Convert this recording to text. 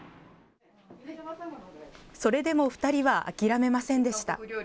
それでも２人は諦めませんでした。